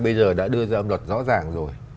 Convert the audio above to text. bây giờ đã đưa ra âm luật rõ ràng rồi